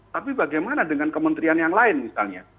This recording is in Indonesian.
tapi bagaimana dengan kementerian yang lain misalnya